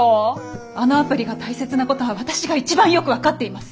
あのアプリが大切なことは私が一番よく分かっています！